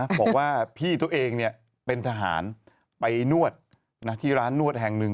บอกว่าพี่ตัวเองเป็นทหารไปนวดที่ร้านนวดแห่งหนึ่ง